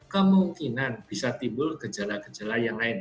kemungkinan bisa timbul gejala gejala yang lain